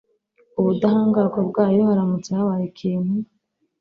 ubudahangarwa bwayo haramutse habaye ikintu